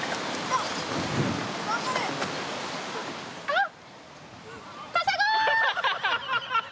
あっ。